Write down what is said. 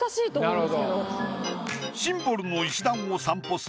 なるほど。